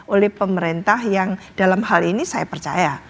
oleh pemerintah yang dalam hal ini saya percaya